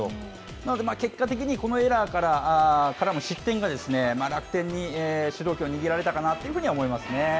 なので、結果的に、このエラーから絡む失点が楽天に主導権を握られらかなというふうに思います。